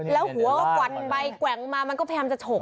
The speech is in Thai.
แล้วหัวกวันไปแกว่งมามันก็พยายามจะฉกเนี่ยค่ะ